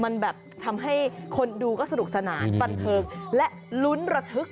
มันแบบทำให้คนดูก็สนุกสนานบันเทิงและลุ้นระทึก